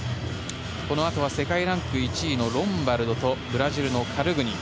このあとは世界ランク１位のロンバルドとブラジルのカルグニン。